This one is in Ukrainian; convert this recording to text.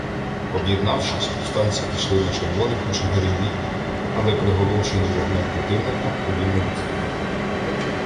Об'єднавшись, повстанці пішли на червоних у Чигирині, але, приголомшені вогнем противника, повільно відступають.